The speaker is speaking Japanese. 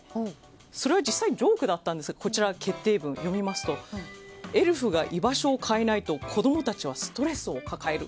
それは実際にはジョークだったんですが決定文を読みますとエルフが居場所を変えないと子供たちはストレスを抱える。